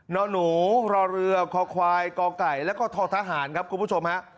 นอนหนูรอเรือคอควายกไก่แล้วก็ททหารครับคุณผู้ชมฮะ